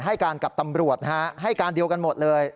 ให้การกับตำรวจให้การเดียวกันหมดเลย